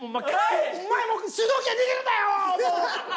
お前主導権握るなよ！